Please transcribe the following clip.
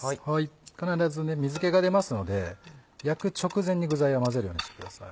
必ず水気が出ますので焼く直前に具材は混ぜるようにしてください。